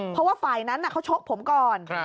เพราะว่าฝ่ายนั้นเขาชกผมก่อน